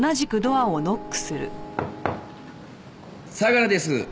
相良です。